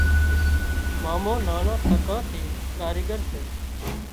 مامو نانان ٿڪان ٿي ڪاريڳر سي